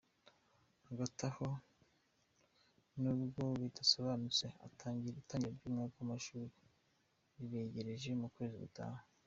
Hagati aho, nubwo bitarasobanuka, itangira ry’umwaka w’amashuri rirenegereje mu kwezi gutaha.